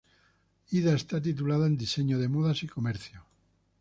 Ida está titulada en diseño de modas y comercio.